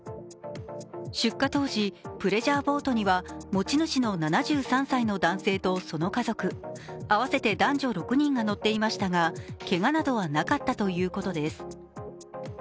出火当時、プレジャーボートには持ち主の７３歳の男性とその家族、合わせて男女６人が乗っていましたがけがなどはなかったということです。